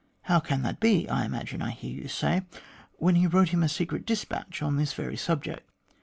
How can that be, I imagine I hear you say, when he wrote him a secret despatch on this very subject